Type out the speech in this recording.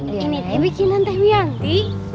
ini teh bikinan teh nanti